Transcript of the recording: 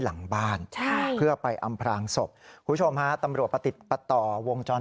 หลังบ้านใช่เพื่อไปอำพลางศพคุณผู้ชมฮะตำรวจประติดประต่อวงจร